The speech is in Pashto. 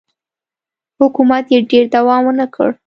حکومت یې ډېر دوام ونه کړ.